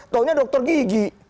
tahunya dokter gigi